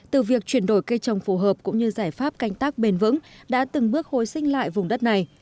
từ việc chuyển đổi cây trồng phù hợp cũng như giải pháp canh tác bền vững đã từng bước hồi sinh lại vùng đất này